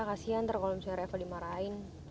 kasian kalo misalnya reva dimarahin